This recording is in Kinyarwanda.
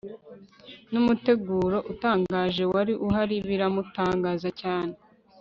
n'umuteguro utangaje wari uhari biramutangaza cyane